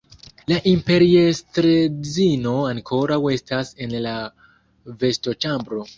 La imperiestredzino ankoraŭ estas en la vestoĉambro.